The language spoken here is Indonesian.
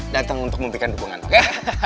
datang untuk memberikan dukungan juga